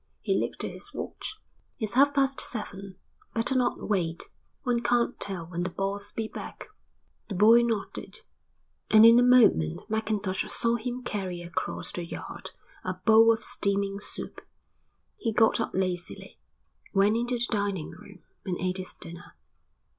He looked at his watch. "It's half past seven. Better not wait. One can't tell when the boss'll be back." The boy nodded, and in a moment Mackintosh saw him carry across the yard a bowl of steaming soup. He got up lazily, went into the dining room, and ate his dinner.